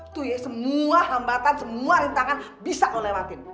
tuh ya semua hambatan semua rintangan bisa lo lewatin